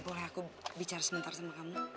boleh aku bicara sebentar sama kamu